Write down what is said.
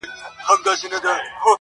• ملاجان وايي وېشونه ازلي دي -